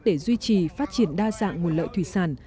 để duy trì phát triển đa dạng nguồn lợi thủy sản